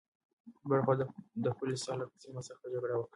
دواړو خواوو د پل سالار په سيمه کې سخته جګړه وکړه.